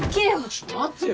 ちょっと待ってよ。